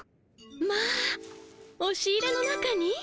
まあおし入れの中に？